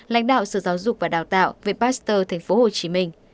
lãnh đạo sự giáo dục và đào tạo việt bác sơ tp hcm